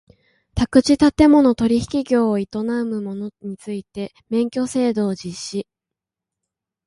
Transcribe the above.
宅地建物取引業を営む者について免許制度を実施